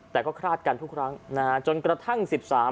แต่ก็คลาดกันทุกครั้งนะฮะจนกระทั่งสิบสาม